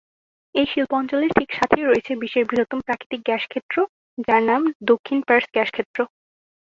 এই শিল্প অঞ্চলের ঠিক সাথেই রয়েছে বিশ্বের বৃহত্তম প্রাকৃতিক গ্যাস ক্ষেত্র, যার নাম দক্ষিণ পার্স গ্যাসক্ষেত্র।